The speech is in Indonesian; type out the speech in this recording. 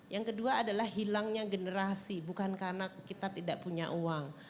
yang kedua adalah hilangnya generasi bukan karena kita tidak punya uang